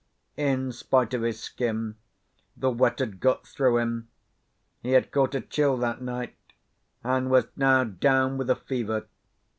In spite of his skin, the wet had got through him. He had caught a chill that night, and was now down with a fever.